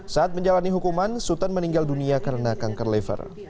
saat menjalani hukuman sutan meninggal dunia karena kanker liver